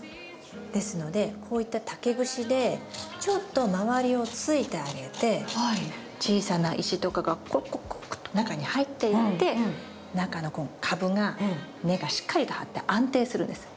ですのでこういった竹串でちょっと周りを突いてあげて小さな石とかがコッコッコッコッと中に入っていって中のこの株が根がしっかりと張って安定するんです。